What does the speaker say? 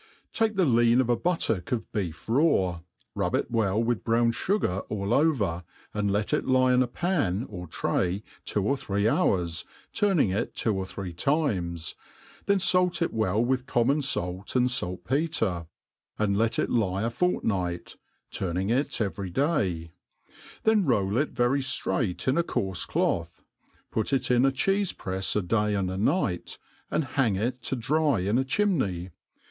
TAKE the lean of a buttock of beef raw, rub it well with f)rown fugar all over, and let it lie in a pan or tra^ two or three hours, turnitig it two or three times^ then fait it well with common fait and falt petre, and let it lie a fortnight, turning it every day ; then roll it very ftrait in a coarfe cloth, put it in a cheefe prefs a day and a night, and hang it to dry in a chim ney.